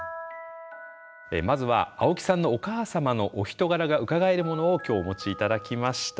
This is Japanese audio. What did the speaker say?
まずは青木さんのお母様のお人柄がうかがえるものを今日お持ち頂きました。